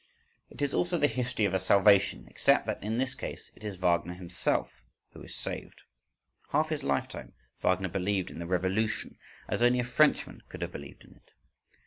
It is also the history of a salvation except that in this case it is Wagner himself who is saved—Half his lifetime Wagner believed in the Revolution as only a Frenchman could have believed in it.